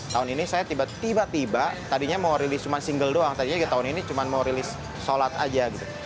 tahun ini saya tiba tiba tadinya mau rilis cuma single doang tadi aja tahun ini cuma mau rilis sholat aja gitu